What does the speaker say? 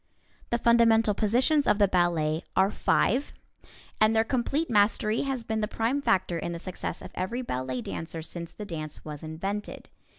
The fundamental positions of the ballet are five, and their complete mastery has been the prime factor in the success of every ballet dancer since the dance was invented.